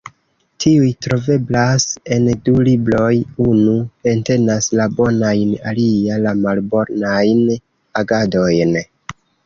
Tiuj troveblas en du libroj: unu entenas la bonajn alia la malbonajn agadojn.